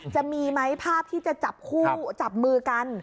จะมีไหมภาพที่จะจับคู่จับมือกัน